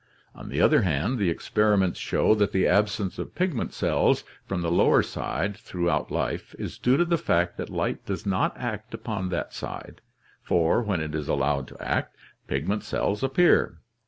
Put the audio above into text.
On the other hand, the experiments show that the absence of pigment cells from the lower side throughout life is due to the fact that light does not act upon that side, for, when it is allowed to act, pigment cells appear.